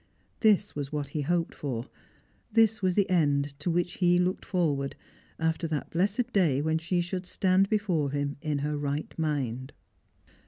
This was what he hoped for, this was the end to which he looked forward, after that blessed day when she should stand before him in her right mind.